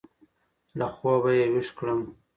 له خوابه يې وېښ کړم.